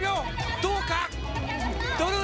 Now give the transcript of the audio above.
どうか。